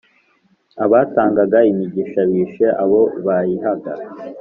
Abatangaga imigisha Bishe abo bayihaga !